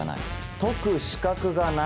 解く資格がない。